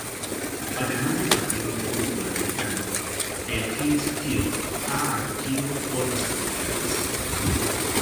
Además de partidos de fútbol americano, el Heinz Field ha acogido otras actividades.